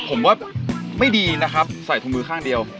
ผมว่าไม่ดีนะครับใส่ถุงมือข้างเดียว